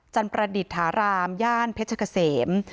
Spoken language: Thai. ประดิษฐารามย่านเพชรเกษม